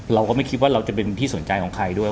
เราก็ไม่คิดว่าเราจะเป็นที่สนใจของใครด้วย